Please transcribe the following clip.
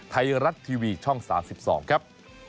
ไทยรัฐทีวีช่อง๓๒ครับ